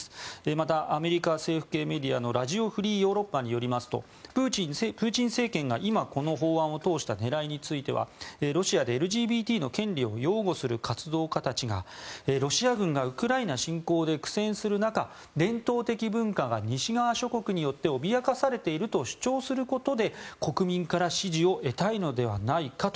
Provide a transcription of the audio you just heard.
また、アメリカ政府系メディアのラジオ・フリー・ヨーロッパによりますとプーチン政権が今、この法案を通した狙いについてはロシアでＬＧＢＴの権利を擁護する活動家たちがロシア軍がウクライナ侵攻で苦戦する中伝統的文化が西側諸国によって脅かされていると主張することで国民から支持を得たいのではないかと。